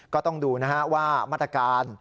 ก็ต้องดูว่ามาตรการ